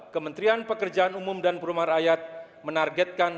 kementerian pekerjaan umum dan perumahan rakyat menargetkan